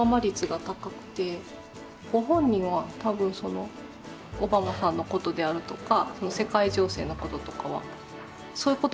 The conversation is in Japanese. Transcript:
ご本人は多分そのオバマさんのことであるとか世界情勢のこととかはそういうことではなくて。